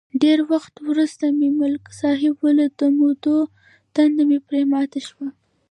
ډېر وخت ورسته مې ملک صاحب ولید، د مودو تنده مې پرې ماته شوه.